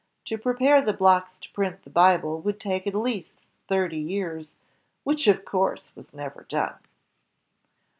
To prepare the blocks to print the Bible would take at least thirty years, which of course was never done.